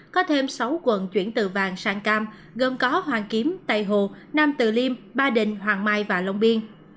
có thêm sáu quận chuyển từ vàng sang cam gồm có hoàng kiếm tây hồ nam từ liêm ba đình hoàng mai và long biên